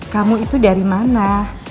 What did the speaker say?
kamu itu dari mana